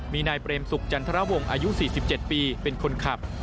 มีนายเปรมสุขจันทรวงอายุ๔๗ปีเป็นคนขับ